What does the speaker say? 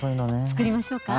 作りましょうか？